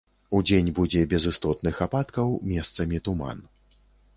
Удзень будзе без істотных ападкаў, месцамі туман.